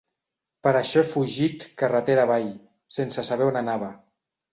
Per això he fugit carretera avall, sense saber on anava.